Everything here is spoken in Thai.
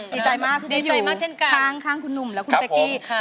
ดีใจมากที่อยู่ข้างคุณหนุ่มและคุณเป๊กกี้ครับผม